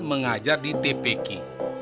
mengajar di tp ki